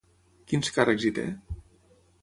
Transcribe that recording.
Quins càrrecs hi té?